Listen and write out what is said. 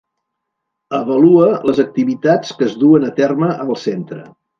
Avalua les activitats que es duen a terme al centre.